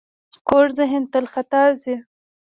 کوږ ذهن تل خطا ځي